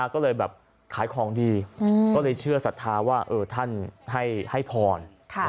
ก็เลยแบบขายของดีก็เลยเชื่อศรัทธาว่าท่านให้พร